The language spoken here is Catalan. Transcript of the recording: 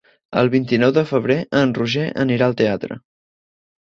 El vint-i-nou de febrer en Roger anirà al teatre.